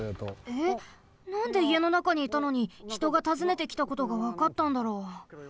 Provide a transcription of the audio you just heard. えっなんでいえのなかにいたのにひとがたずねてきたことがわかったんだろう？